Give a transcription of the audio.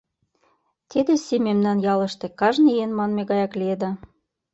Тиде сий мемнан ялыште кажне ийын манме гаяк лиеда.